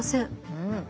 うん。